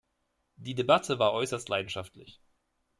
Die Debatte war äußerst leidenschaftlich.